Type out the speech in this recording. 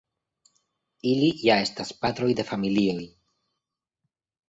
ili ja estas patroj de familioj.